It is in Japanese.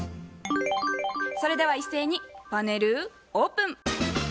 それでは一斉にパネルオープン。